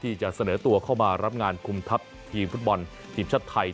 ที่จะเสนอตัวเข้ามารับงานคุมทัพทีมฟุตบอลทีมชาติไทย